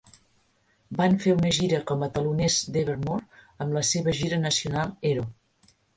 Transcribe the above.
Van fer una gira com a teloners d'Evermore en la seva gira nacional "Hero".